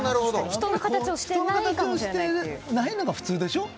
人の形をしていないのが普通でしょ？